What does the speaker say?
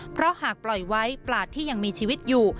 เพราะหากปล่อยไว้ปลาที่ยังมีชีวิตอยู่